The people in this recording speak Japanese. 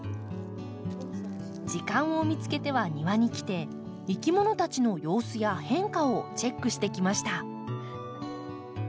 時間を見つけては庭に来ていきものたちの様子や変化をチェックしてきました。